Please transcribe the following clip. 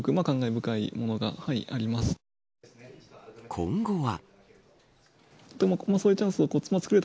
今後は。